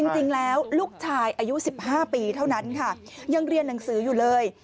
จริงแล้วลูกชายอายุ๑๕ปีเท่านั้นค่ะยังเรียนหนังสืออยู่เลย